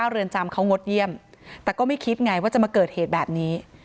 เรือนจำเขางดเยี่ยมแต่ก็ไม่คิดไงว่าจะมาเกิดเหตุแบบนี้